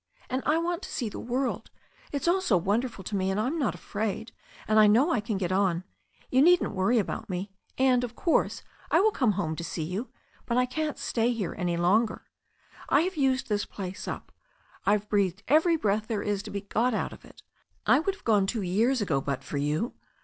"And I want to see the world. It's all so wonderful to me, and I'm not afraid, and I know I can get on. You needn't worry about me, and, of course, I will come home to see you; but I can't stay here any longer. I have used this place up — I've breathed every breath there is to be got out of it. I would have gone two years ago but for you.